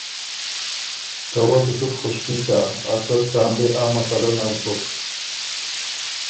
ته وک زُت خوشکی سۀ، اسل څان دې آ مسلۀ نک بُک۔